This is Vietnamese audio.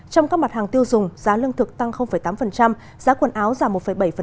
trong các mặt hàng tiêu dùng giá lương thực tăng tám giá quần áo giảm một bảy